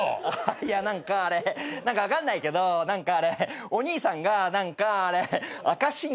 いや何かあれ何か分かんないけど何かあれお兄さんが何かあれ赤信号で止まるから。